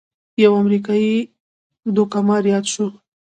یو امریکايي دوکه مار یاد شو.